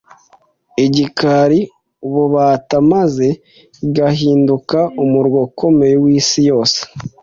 igakira ububata maze igahinduka umurwa ukomeye w'isi yose.